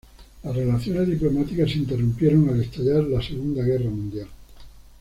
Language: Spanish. Las relaciones diplomáticas se interrumpieron al estallar la Segunda Guerra Mundial.